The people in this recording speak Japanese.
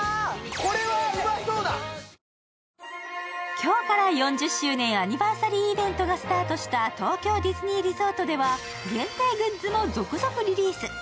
今日から４０周年アニバーサリーイベントがスタートした東京ディズニーリゾートでは限定グッズも続々リリース。